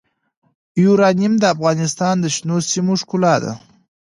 یورانیم د افغانستان د شنو سیمو ښکلا ده.